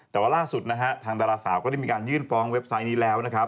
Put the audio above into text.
แต่ว่าล่าสุดนะฮะทางดาราสาวก็ได้มีการยื่นฟ้องเว็บไซต์นี้แล้วนะครับ